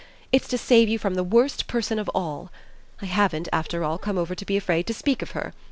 It's to save you from the worst person of all. I haven't, after all, come over to be afraid to speak of her!